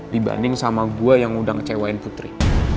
dibanding sama gua yang udah ngecewain putri